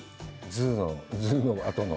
ズーのあとの。